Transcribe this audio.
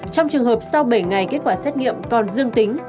trong trường hợp sau bảy ngày kết quả xét nghiệm còn dương tính